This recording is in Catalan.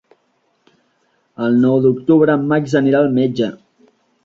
El nou d'octubre en Max anirà al metge.